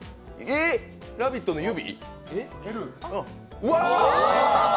「ラヴィット！」の指！？